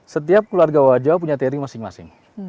setiap keluarga oha jawa punya teori masing masing